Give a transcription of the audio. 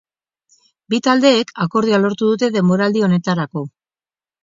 Bi taldeek akordioa lortu dute denboraldi honetarako.